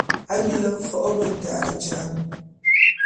A bili fo’o beta jal .